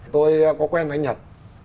tôi có quen với anh nhật